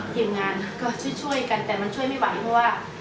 ทีมงานช่วยกันแต่มันช่วยไม่ไหว